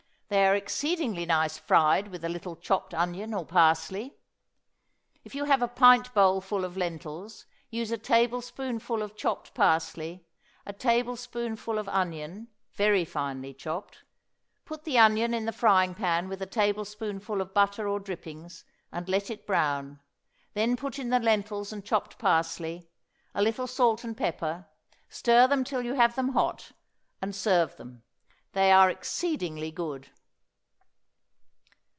They are exceedingly nice fried with a little chopped onion or parsley. If you have a pint bowl full of lentils, use a tablespoonful of chopped parsley, a tablespoonful of onion, very finely chopped; put the onion in the frying pan with a tablespoonful of butter or drippings, and let it brown; then put in the lentils and chopped parsley, a little salt and pepper, stir them till you have them hot, and serve them. They are exceedingly good.